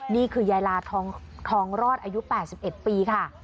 นี่คือยายลาทองรอดอายุ๘๑ปีค่ะ